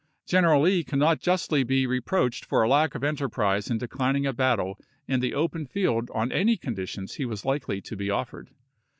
General Lee cannot justly be reproached for a lack of enterprise in declining a battle in the open field on any conditions he was likely to be offered.